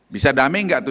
bisa damai enggak itu